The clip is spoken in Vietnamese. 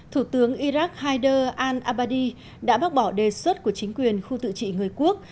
thủ tướng iraq haider al abadi đã bác bỏ đề xuất của chính quyền khu tự trị người quốc